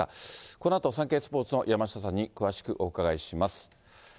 このあとサンケイスポーツの山下さんに詳しくお伺いします。